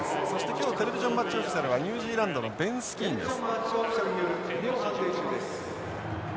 今日テレビジョンマッチオフィシャルはニュージーランドのベンスキーンです。